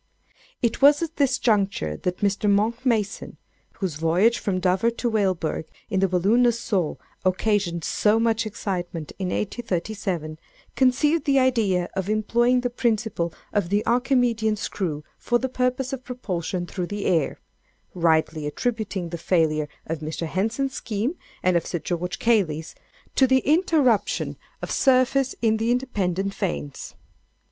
"It was at this juncture that Mr. Monck Mason (whose voyage from Dover to Weilburg in the balloon, "Nassau," occasioned so much excitement in 1837,) conceived the idea of employing the principle of the Archimedean screw for the purpose of propulsion through the air—rightly attributing the failure of Mr. Henson's scheme, and of Sir George Cayley's, to the interruption of surface in the independent vanes.